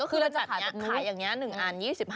ขายอย่างงี้๐๕